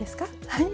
はい。